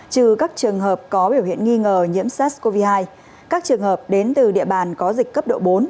trừ các trường hợp có biểu hiện nghi ngờ nhiễm sars cov hai các trường hợp đến từ địa bàn có dịch cấp độ bốn